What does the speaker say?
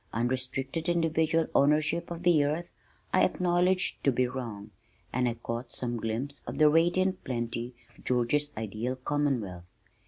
Unrestricted individual ownership of the earth I acknowledged to be wrong and I caught some glimpse of the radiant plenty of George's ideal Commonwealth.